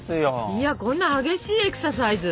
いやこんな激しいエクササイズ？